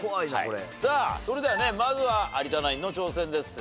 さあそれではねまずは有田ナインの挑戦です。